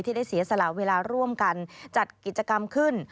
ได้เสียสละเวลาร่วมกันจัดกิจกรรมขึ้น